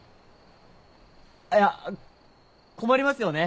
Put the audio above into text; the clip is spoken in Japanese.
あっいや困りますよね。